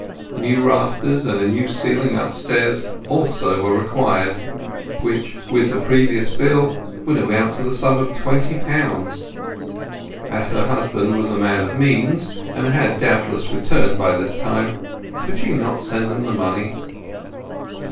New rafters and a new ceiling upstairs also were required, which, with the previous bill, would amount to a sum of twenty pounds. As her husband was a man of means, and had doubtless returned by this time, could she not send them the money?